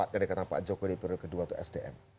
karena pak jokowi periode kedua itu sdm